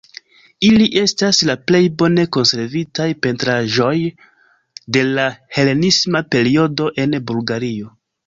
Ili estas la plej bone konservitaj pentraĵoj de la helenisma periodo en Bulgario.